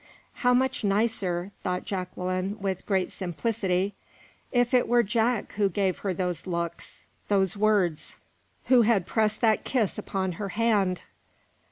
How much nicer, thought Jacqueline, with great simplicity, if it were Jack who gave her those looks, those words, who had pressed that kiss upon her hand!